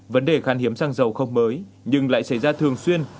vấn đề khan hiếm xăng dầu không mới nhưng lại xảy ra thường xuyên